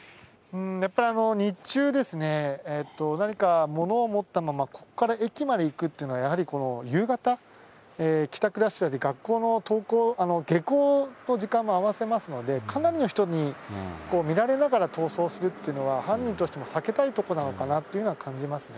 やっぱり日中ですね、何かものを持ったままここから駅まで行くというのは、やはり夕方、帰宅ラッシュの時間、学校の登校、下校の時間も合わせますので、かなりの人に見られながら逃走するというのは、犯人としても避けたいとこなのかなというのは感じますね。